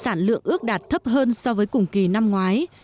sản lượng ước đạt thấp hơn so với cùng kỳ năm ngoái